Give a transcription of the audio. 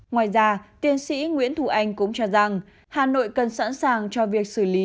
ngoài ra tiến sĩ nguyễn thù anh cũng cho rằng hà nội cần sẵn sàng cho việc xử lý